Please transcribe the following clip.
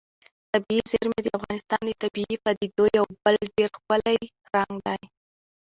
طبیعي زیرمې د افغانستان د طبیعي پدیدو یو بل ډېر ښکلی رنګ دی.